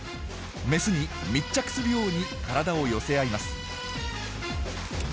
メスに密着するように体を寄せ合います。